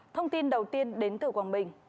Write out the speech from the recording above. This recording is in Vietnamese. thông tin đầu tiên đến từ quảng bình